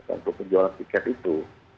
untuk penjualan tiket itu